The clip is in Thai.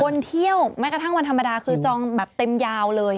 เที่ยวแม้กระทั่งวันธรรมดาคือจองแบบเต็มยาวเลย